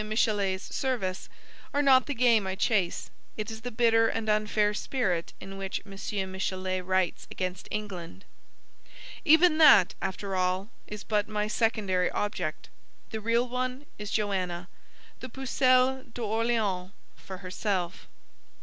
Michelet's service) are not the game I chase: it is the bitter and unfair spirit in which M. Michelet writes against England. Even that, after all, is but my secondary object: the real one is Joanna, the Pucelle d'Orleans for herself.